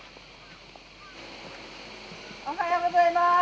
おはようございます。